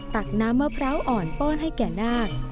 ตักน้ำมะพร้าวอ่อนป้อนให้แก่นาค